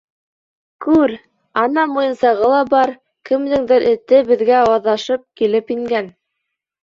— Күр, ана муйынсағы ла бар, кемдеңдер эте беҙгә аҙашып килеп ингән...